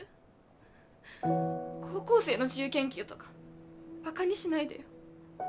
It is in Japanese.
高校生の自由研究とかバカにしないでよ。